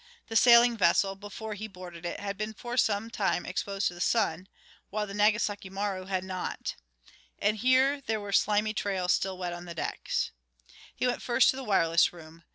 The sailing vessel, before he boarded it, had been for some time exposed to the sun, while the Nagasaki Maru had not. And here there were slimy trails still wet on the decks. He went first to the wireless room.